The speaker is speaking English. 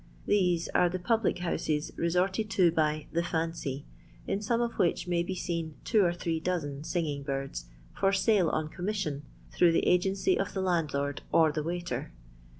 These are the pub lic houses resorted to by " the fancy," in some of which may be seen two or three dozen singing birds for salo on commission, through the agency of the landlord or the waiter.